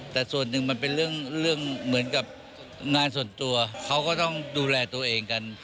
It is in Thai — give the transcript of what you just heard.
แต่ส่วนหนึ่งมันเป็นเรื่องเหมือนกับงานส่วนตัวเขาก็ต้องดูแลตัวเองกัน